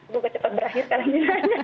gue kecepat berakhir kali ini